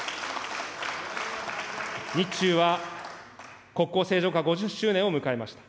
日中は国交正常化５０周年を迎えました。